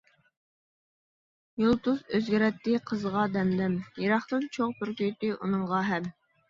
يۇلتۇز ئۆزگىرەتتى قىزغا دەم-دەم، يىراقتىن چوغ پۈركۈيتتى ئۇنىڭغا ھەم.